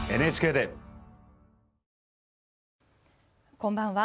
こんばんは。